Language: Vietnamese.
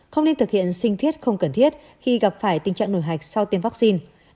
không nên thực hiện sinh thiết không cần thiết khi gặp phải tình trạng nổi hạch sau tiêm vaccine